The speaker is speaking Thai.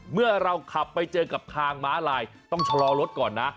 เมื่อเราขับไปเจอกับทางม้าลายต้องชะลอรถก่อนนะ